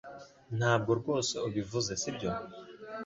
Ntabwo rwose ubivuze sibyo